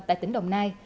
tại tỉnh đồng nai